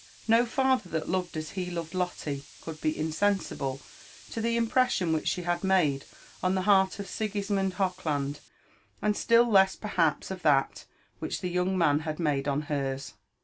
No father that loved as he loved Lotte could be insensible to the im pression which she had made on the heart of Sigismond Hochland, and still less perhaps of that which the young man had made on hers.